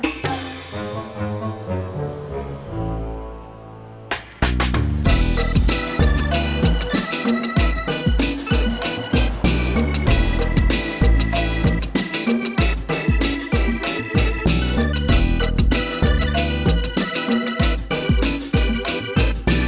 harusnya sama unlucky lamar